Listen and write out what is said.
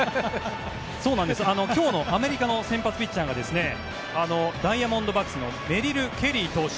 今日のアメリカの先発ピッチャーがダイヤモンドバックスのメリル・ケリー投手。